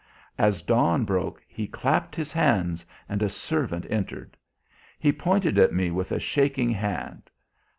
As dawn broke he clapped his hands and a servant entered. He pointed at me with a shaking hand.